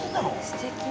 すてきな。